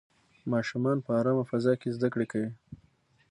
ماشومان په ارامه فضا کې زده کړې کوي.